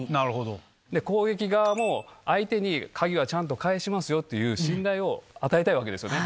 攻撃側も、相手に鍵はちゃんと返しますよっていう信頼を与えたいわけですよね。